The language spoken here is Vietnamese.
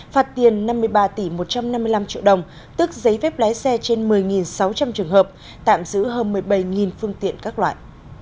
phạt tiền năm mươi ba tỷ một trăm năm mươi năm triệu đồng tức giấy phép lái xe trên một mươi sáu trăm linh trường hợp tạm giữ hơn một mươi bảy phương tiện các loại